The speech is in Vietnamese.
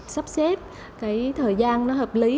sắp xếp cái thời gian nó hợp lý